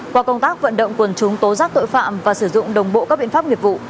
qua công tác vận động quần chúng tố giác tội phạm và sử dụng đồng bộ các biện pháp nghiệp vụ